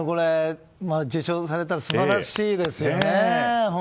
受賞されたら素晴らしいですよね。